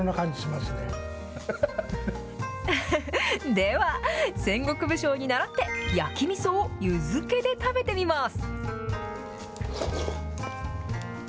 では、戦国武将にならって焼きみそを湯漬けで食べてみます。